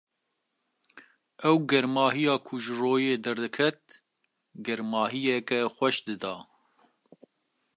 Ew germahiya ku ji royê derdiket, germahiyeke xweş dida.